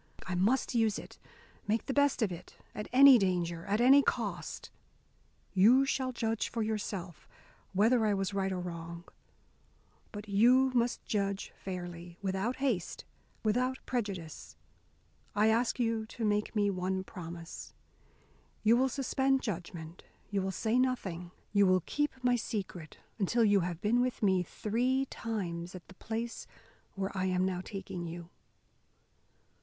I must use it, make the best of it, at any danger, at any cost. You shall judge for yourself whether I was right or wrong. But you must judge fairly, without haste, without prejudice. I ask you to make me one promise. You will suspend judgment, you will say nothing, you will keep my secret, until you have been with me three times at the place where I am now taking you."